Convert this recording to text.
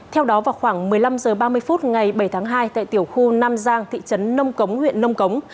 theo đó vào khoảng một mươi năm h ba mươi phút ngày bảy tháng hai tại tiểu khu nam giang thị trấn nông cống huyện nông cống